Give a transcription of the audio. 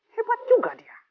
hebat juga dia